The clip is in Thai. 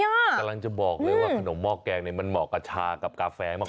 กำลังจะบอกเลยว่าขนมหม้อแกงมันเหมาะกับชากับกาแฟมาก